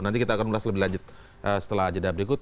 nanti kita akan mulai lebih lanjut setelah ajadah berikut